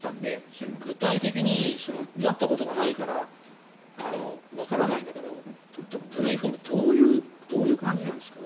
それ、具体的になったことがないからわからないんだけどブレインフォグどういう感じなんですか？